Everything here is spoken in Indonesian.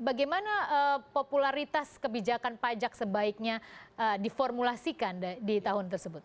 bagaimana popularitas kebijakan pajak sebaiknya diformulasikan di tahun tersebut